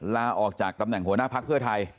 ลาออกจากตำแหน่งหัวหน้าภักดิ์เพื่อไทย